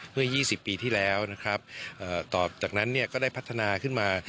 เมื่อ๒๐ปีที่แล้วนะครับต่อจากนั้นก็ได้พัฒนาขึ้นมา